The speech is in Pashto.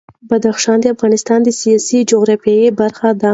بدخشان د افغانستان د سیاسي جغرافیه برخه ده.